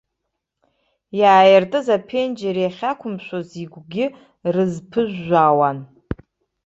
Иааиртыз аԥенџьыр иахьақәымшәоз игәгьы рызԥыжәжәауан.